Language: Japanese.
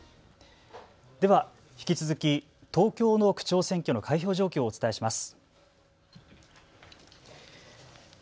では、引き続き、東京の区長選挙の開票状況をお伝えします。